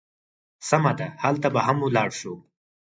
سمه ده، هلته به هم ولاړ شو.